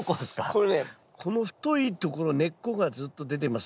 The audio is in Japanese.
これねこの太いところ根っこがずっと出てますよね。